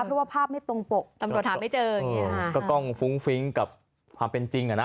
เพราะว่าภาพไม่ตรงปกก็ก้องฟลินกับความเป็นจริง